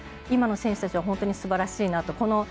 今の選手たちは本当にすばらしいなと。